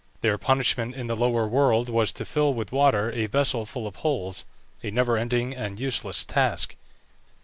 Their punishment in the lower world was to fill with water a vessel full of holes, a never ending and useless task.